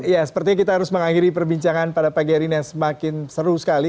ya sepertinya kita harus mengakhiri perbincangan pada pagi hari ini yang semakin seru sekali